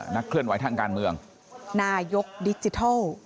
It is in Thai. นักเคลื่อนไหวทางการเมืองนายกดิจิทัล